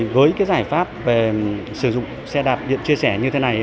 với cái giải pháp về sử dụng xe đạp điện chia sẻ như thế này